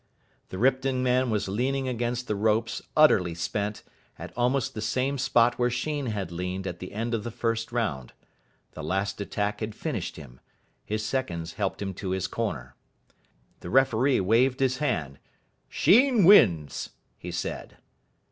The Ripton man was leaning against the ropes, utterly spent, at almost the same spot where Sheen had leaned at the end of the first round. The last attack had finished him. His seconds helped him to his corner. The referee waved his hand. "Sheen wins," he said.